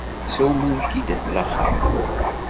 Sawmen-k-id at laxeṛt.